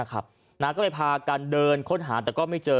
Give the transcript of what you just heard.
ก็เลยพากันเดินค้นหาแต่ก็ไม่เจอ